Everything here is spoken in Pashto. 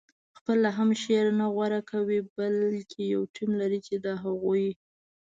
خپله هم شعر نه غوره کوي بلکې یو ټیم لري چې د هغوی